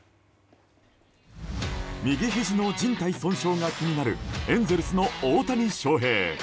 右ひじのじん帯損傷が気になるエンゼルスの大谷翔平。